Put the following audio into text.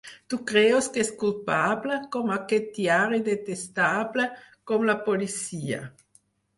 Tu creus que és culpable, com aquest diari detestable, com la policia.